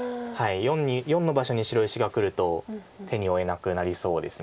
④の場所に白石がくると手に負えなくなりそうです。